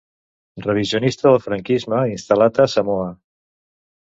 Revisionista del franquisme instal·lat a Samoa.